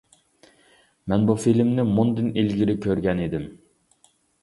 مەن بۇ فىلىمنى مۇندىن ئىلگىرى كۆرگەن ئىدىم.